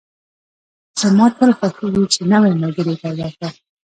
زما تل خوښېږي چې نوی ملګري پیدا کدم